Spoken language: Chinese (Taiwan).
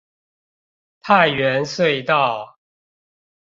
泰源隧道